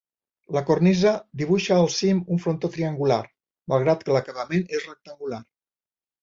La cornisa dibuixa al cim un frontó triangular, malgrat que l'acabament és rectangular.